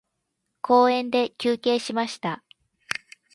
公園で休憩しました。